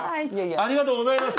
ありがとうございます。